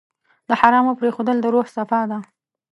د حرامو پرېښودل د روح صفا ده.